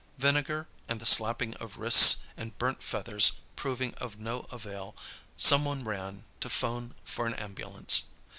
Vinegar, and the slapping of wrists and burnt feathers proving of no avail, some one ran to 'phone for an ambulance.